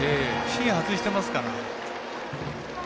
芯外してますから。